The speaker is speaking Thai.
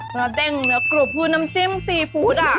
เนื้อเต้นเนื้อกรูดมีหน้าจิ้มซีฟู้ด